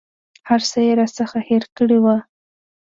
هر څه یې راڅخه هېر کړي وه.